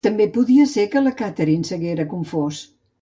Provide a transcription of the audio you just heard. També podia ser que la Catherine s’haguera confòs...